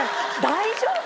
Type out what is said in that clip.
大丈夫？